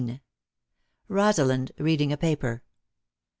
(Rosalind reading a paper.